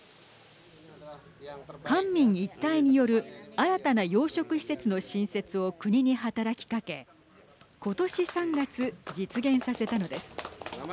官民一体による新たな養殖施設の新設を国に働きかけことし３月、実現させたのです。